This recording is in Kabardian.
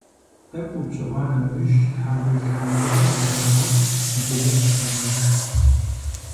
ТӀэкӀу упщӀыӀуа нэужь тхьэмбыл-тхьэмщӀыгъур зэпагъэкӀ, гури къыхагъэж.